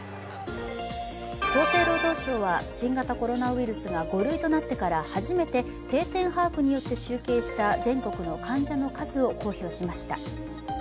厚生労働省は新型コロナウイルスが５類となってから初めて定点把握によって集計した全国の患者の数を公表しました。